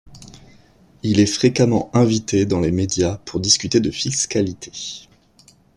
Il est fréquemment invité dans les médias pour discuter de fiscalité.